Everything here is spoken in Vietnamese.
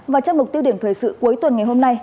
và trong mục tiêu điểm thời sự cuối tuần ngày hôm nay